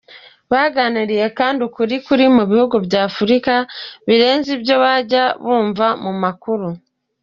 Baganiriye kandi ukuri kuri mu bihugu bya Afurika, birenze ibyo bajya bumva mu makuru.